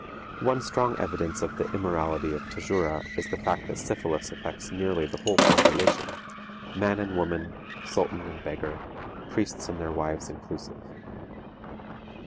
One strong evidence of the immorality of Tajura is the fact that syphilis affects nearly the whole population, man and woman, sultan and beggar, priests and their wives inclusive.